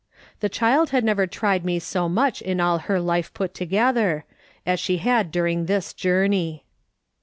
The child had never tried me so much in all her life put together, as she had during this journey.